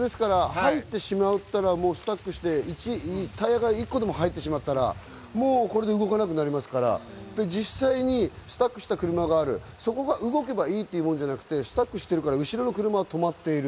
ザクザクですから入ってしまったらスタックして、タイヤが一歩でも入ってしまったらこれで動かなくなりますから、実際にスタックした車がある、そこが動けばいいってもんじゃなくて、スタックしてるから、後ろの車は止まっている。